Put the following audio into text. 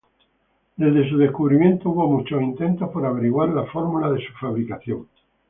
Desde su descubrimiento hubo muchos intentos por averiguar la fórmula de su fabricación.